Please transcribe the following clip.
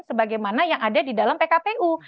sebagaimana yang ada di dalam pkpu